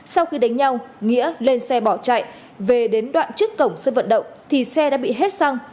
sau khi đánh nhau nghĩa lên xe bỏ chạy về đến đoạn trước cổng sân vận động thì xe đã bị hết xăng